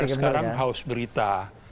dan sekarang haus berita